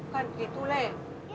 bukan gitu lek